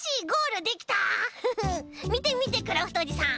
みてみてクラフトおじさん。